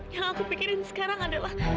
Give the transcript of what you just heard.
yang aku pikirin sekarang adalah